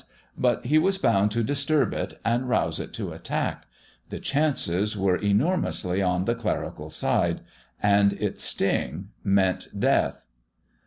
But he was bound to disturb it, and rouse it to attack. The chances were enormously on the clerical side. And its sting meant death.